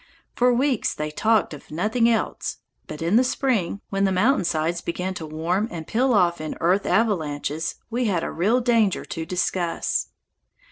For weeks they talked of nothing else, but in the spring, when the mountain sides began to warm and peel off in earth avalanches, we had a real danger to discuss.